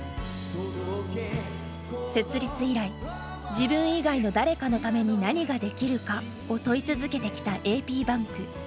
設立以来「自分以外の誰かのために何ができるか」を問い続けてきたａｐｂａｎｋ。